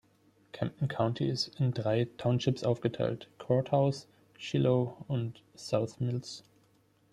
Camden County ist in drei Townships aufgeteilt: Courthouse, Shiloh und South Mills.